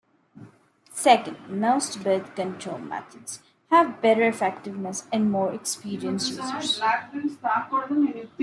Second, most birth control methods have better effectiveness in more experienced users.